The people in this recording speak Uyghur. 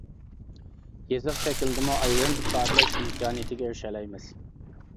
يېزىق شەكلىدىمۇ ئايرىم ئىپادىلەش ئىمكانىيىتىگە ئېرىشەلەيمىز.